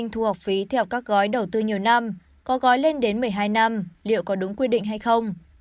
thu học phí theo các gói đầu tư nhiều năm có gói lên đến một mươi hai năm liệu có đúng quy định hay không